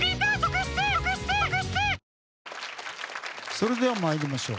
それでは参りましょう。